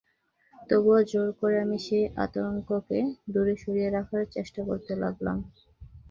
তবুও জোর করে আমি সেই আতঙ্ককে দূরে সরিয়ে রাখার চেষ্টা করতে লগলাম।